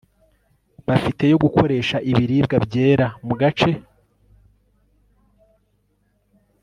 bafite yo gukoresha ibiribwa byera mu gace